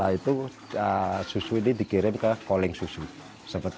nah itu pembersihan kandang dan melakukan penyujian pada kandang